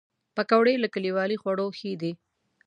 پکورې له کلیوالي خواړو ښې دي